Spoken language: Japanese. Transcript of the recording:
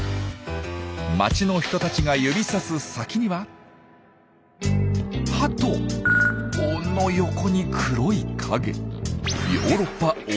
街の人たちが指さす先にはハトの横に黒い影。